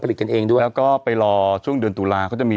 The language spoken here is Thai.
กันเองด้วยแล้วก็ไปรอช่วงเดือนตุลาเขาจะมี